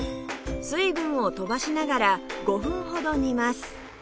水分を飛ばしながら５分ほど煮ます